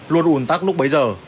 luôn ủn tắc lúc bấy giờ